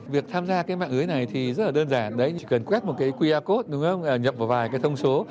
việc tham gia cái mạng ưới này thì rất là đơn giản chỉ cần quét một qr code nhập vào vài thông số